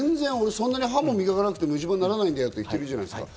歯も磨かなくても虫歯にならないんだよって人、いるじゃないですか。